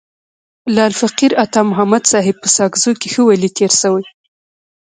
لعل فقیر عطا محمد صاحب په ساکزو کي ښه ولي تیر سوی.